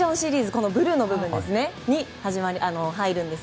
このブルーの部分に入ります。